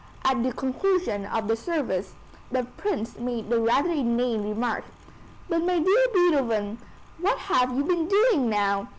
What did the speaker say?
At the conclusion of the service the Prince made the rather inane remark, "but my dear Beethoven, what have you been doing now?"